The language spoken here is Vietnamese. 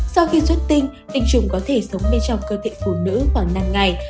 sau khi xuất tinh trùng có thể sống bên trong cơ thể phụ nữ khoảng năm ngày